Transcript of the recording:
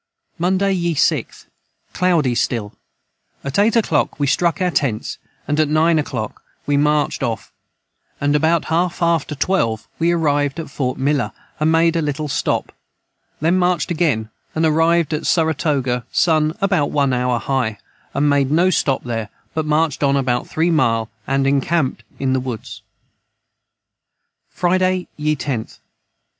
Monday ye 6th. Cloudy stil at 8 Oclock we struck our tents & at 9 aclock we marched of & about half after 12 we arrivd at Fort Miller and made a little stop then marched again and arived at Saratoga Son about one hour high & made no stop their but marched on about 3 mile & Encampt in the woods. Friday ye 10th.